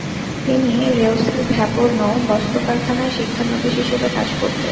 তিনি রেউসের "ভ্যাপর নউ" বস্ত্র কারখানায় শিক্ষানবিশ হিসেবে কাজ করতেন।